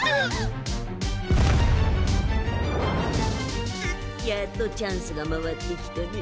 心の声やっとチャンスが回ってきたね。